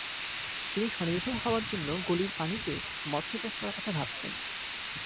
তিনি স্বনির্ভর হওয়ার জন্য গলির পানিতে মৎস্য চাষ করার কথা ভাবছেন।